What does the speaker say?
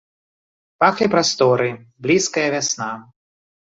Пахлі прасторы, блізкая вясна.